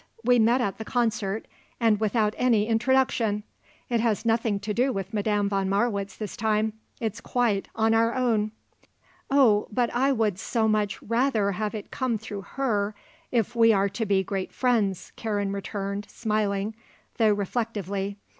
We met at the concert, and without any introduction! It has nothing to do with Madame von Marwitz this time. It's quite on our own." "Oh, but I would so much rather have it come through her, if we are to be great friends," Karen returned, smiling, though reflectively.